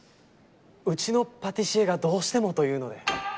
うちのパティシエがどうしてもと言うので。